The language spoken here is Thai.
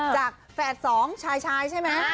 จากแฝดสองชายใช่มั้ย